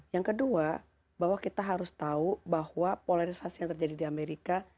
yang kedua bahwa kita harus tahu bahwa polarisasi yang terjadi di amerika